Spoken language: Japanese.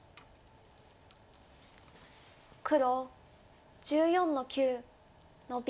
黒１４の九ノビ。